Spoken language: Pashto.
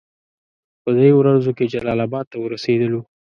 په دریو ورځو کې جلال اباد ته ورسېدلو.